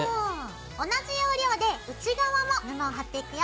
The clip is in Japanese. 同じ要領で内側も布を貼っていくよ。